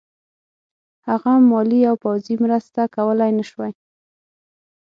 هغه مالي او پوځي مرسته کولای نه شوای.